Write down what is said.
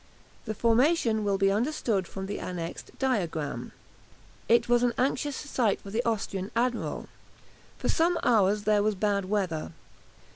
The formation will be understood from the annexed diagram. It was an anxious night for the Austrian admiral. For some hours there was bad weather.